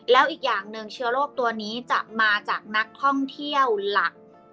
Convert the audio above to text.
แล้วอีกอย่างหนึ่งเชื้อโรคตัวนี้จะมาจากนักท่องเที่ยวหลัก